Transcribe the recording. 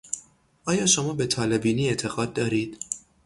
آیا شما به طالعبینی اعتقاد دارید؟